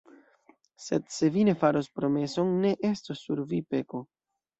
Sed se vi ne faros promeson, ne estos sur vi peko.